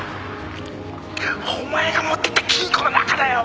お前が持ってった金庫の中だよ。